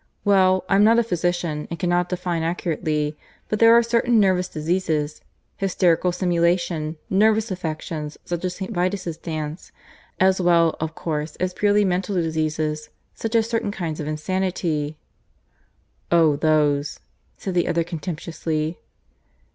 . "well, I'm not a physician, and cannot define accurately; but there are certain nervous diseases hysterical simulation, nervous affections such as St. Vitus' dance as well, of course, as purely mental diseases, such as certain kinds of insanity " "Oh, those," said the other contemptuously.